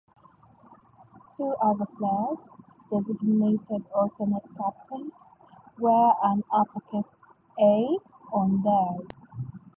Two other players, designated alternate captains, wear an uppercase "A" on theirs.